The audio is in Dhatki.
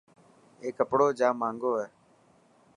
اي ڪپڙو جاهنگو هي.